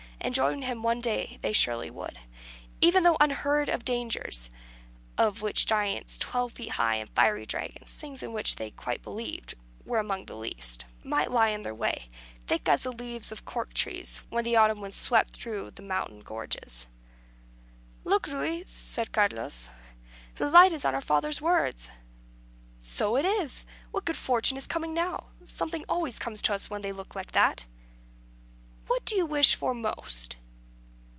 And join him one day they surely would, even though unheard of dangers (of which giants twelve feet high and fiery dragons things in which they quite believed were among the least) might lie in their way, thick as the leaves of the cork trees when the autumn winds swept down through the mountain gorges. "Look, Ruy," said Carlos, "the light is on our father's words!" "So it is! What good fortune is coming now? Something always comes to us when they look like that." "What do you wish for most?"